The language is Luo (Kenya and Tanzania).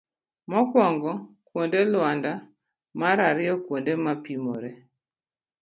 mokuongo. kuonde luanda. mar ariyo kuonde mopimore.